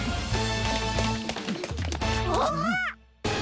あっ！？